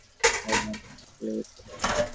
আর বাম পাশ ফুলে গেছে।